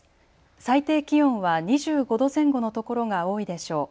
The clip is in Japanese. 最低気温は２５度前後の所が多いでしょう。